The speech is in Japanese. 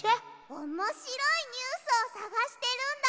おもしろいニュースをさがしてるんだ！